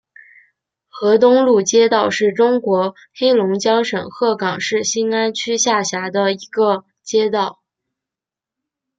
河东路街道是中国黑龙江省鹤岗市兴安区下辖的一个街道。